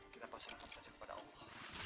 kita perserahkan saja kepada allah